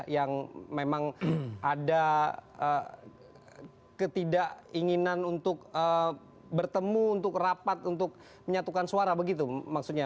yang memang ada ketidakinginan untuk bertemu untuk rapat untuk menyatukan suara begitu maksudnya